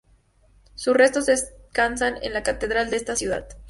Sus restos descansan en la catedral de esa ciudad.